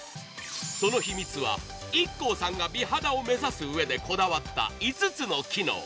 その秘密はＩＫＫＯさんが美肌を目指すためにこだわった５つの機能。